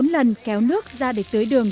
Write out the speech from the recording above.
bốn lần kéo nước ra để tưới đường